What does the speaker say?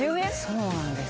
そうなんです